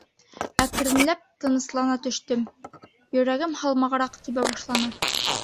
Әкренләп тыныслана төштөм, йөрәгем һалмағыраҡ тибә башланы.